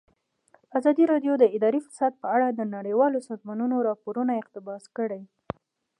ازادي راډیو د اداري فساد په اړه د نړیوالو سازمانونو راپورونه اقتباس کړي.